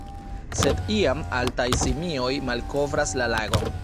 Sed iam, altaj simioj malkovras la lagon.